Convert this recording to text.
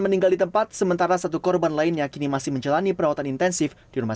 meninggal di tempat sementara satu korban lainnya kini masih menjalani perawatan intensif di rumah